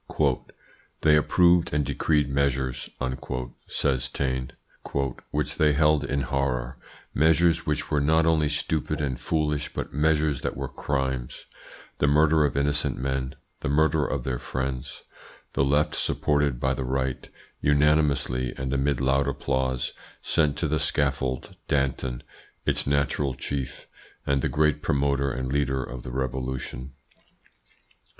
"They approved and decreed measures," says Taine, "which they held in horror measures which were not only stupid and foolish, but measures that were crimes the murder of innocent men, the murder of their friends. The Left, supported by the Right, unanimously and amid loud applause, sent to the scaffold Danton, its natural chief, and the great promoter and leader of the Revolution.